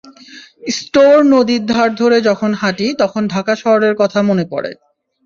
Store নদীর ধার ধরে যখন হাঁটি তখন ঢাকা শহরের কথা মনে পড়ে।